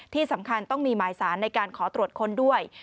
ที่สำคัญต้องมีหมายสารในการขอตรวจค้นด้วย